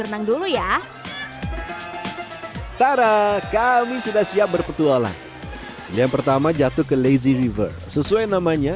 renang dulu ya tara kami sudah siap berpetualang ini yang pertama jatuh ke lazzy river sesuai namanya